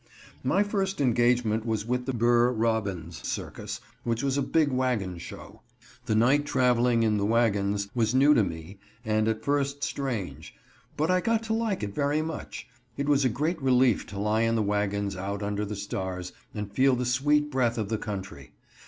My first engagement was with the Burr Bobbins circus, which was a big wagon show. The night traveling in the wagons was new to me, and at first strange. But I got to like it very much. It was a great relief to lie in the wagons, out under the stars, and feel the sweet breath of the country.